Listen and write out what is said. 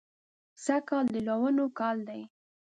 سږ کال د لوڼو کال دی